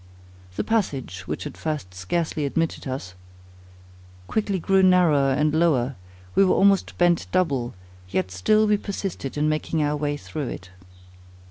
The passage, which at first scarcely admitted us, quickly grew narrower and lower; we were almost bent double; yet still we persisted in making our way through it.